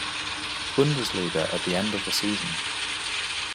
Bundesliga at the end of the season.